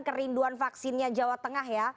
kerinduan vaksinnya jawa tengah ya